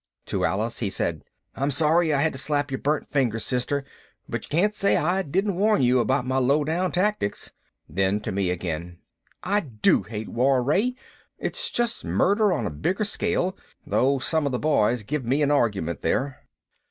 To Alice he said, "I'm sorry I had to slap your burnt fingers, sister, but you can't say I didn't warn you about my low down tactics." Then to me again: "I do hate war, Ray. It's just murder on a bigger scale, though some of the boys give me an argument there."